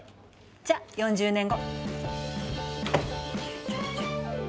じゃ４０年後！